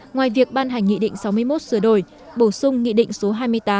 ngoài việc ban hành nghị định sáu mươi một sửa đổi bổ sung nghị định số hai mươi tám